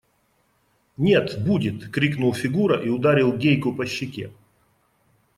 – Нет, будет! – крикнул Фигура и ударил Гейку по щеке.